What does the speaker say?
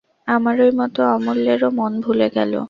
আমারই মতো অমূল্যেরও মন ভুলে গেল।